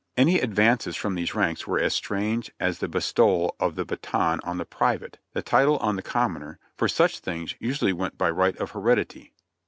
Any advances from these ranks were as strange as the bestowal of the baton on the private, the title on the commoner, for such things usually went by right of heredity.